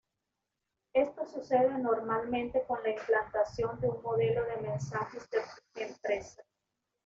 Esto sucede normalmente con la implantación de un modelo de mensajes de empresa.